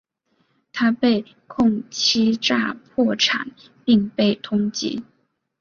他被控欺诈破产并被通缉。